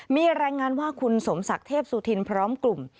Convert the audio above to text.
มีรายงานว่าคุณสมศักดิ์เทพสุธินพร้อมกลุ่ม